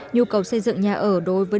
nhu cầu xây dựng nhà ở đối với